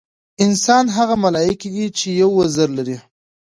انسانان هغه ملایکې دي چې یو وزر لري.